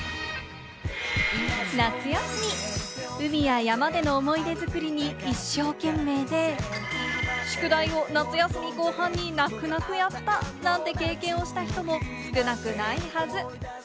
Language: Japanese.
夏休み、海や山での思い出作りに一生懸命で、宿題を夏休み後半に泣く泣くやったなんて経験をした人も少なくないはず。